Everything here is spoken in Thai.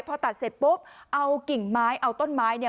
พอตัดเสร็จปุ๊บเอากิ่งไม้เอาต้นไม้เนี่ย